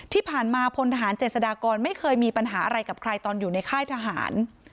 ที่ผ่านมาพลทหารเจษฎากรไม่เคยมีปัญหาอะไรกับใครตอนอยู่ในค่ายทหาร